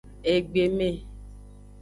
Egbeme.